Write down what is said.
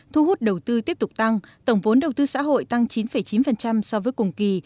thu hút đầu tư tiếp tục tăng tổng vốn đầu tư xã hội tăng chín chín so với cùng kỳ